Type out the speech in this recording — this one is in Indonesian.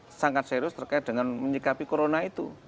saya sangat serius terkait dengan menyikapi corona itu